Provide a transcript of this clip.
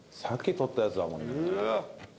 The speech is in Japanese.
さっき採ったやつだもんね。